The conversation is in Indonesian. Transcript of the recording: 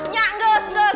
nggak enggak enggak